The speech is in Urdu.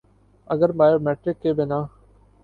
اگر بایو میٹرک کے بنا